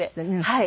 はい。